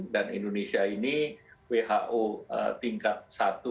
dan indonesia ini who tingkat satu